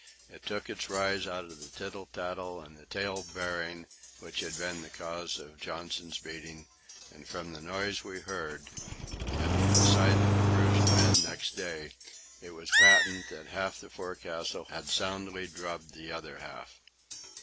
It took its rise out of the tittle tattle and tale bearing which had been the cause of Johnson's beating, and from the noise we heard, and from the sight of the bruised men next day, it was patent that half the forecastle had soundly drubbed the other half.